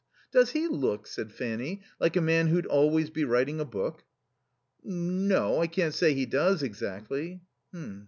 Does he look," said Fanny, "like a man who'd always be writing a book?" "No. I can't say he does, exactly."